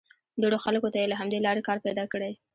ډېرو خلکو ته یې له همدې لارې کار پیدا کړی.